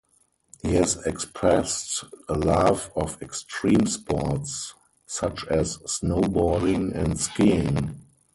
He has expressed a love of extreme sports such as snowboarding and skiing.